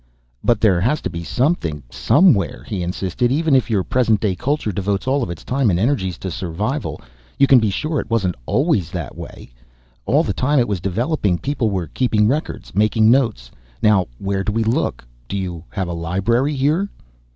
"But there has to be something somewhere," he insisted. "Even if your present day culture devotes all of its time and energies to survival, you can be sure it wasn't always that way. All the time it was developing, people were keeping records, making notes. Now where do we look? Do you have a library here?"